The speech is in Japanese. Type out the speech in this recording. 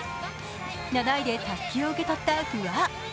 ７位でたすきを受け取った不破。